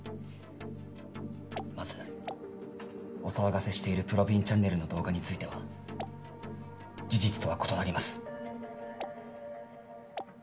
まずお騒がせしている『ぷろびんチャンネル』の動画については事実とは異なります。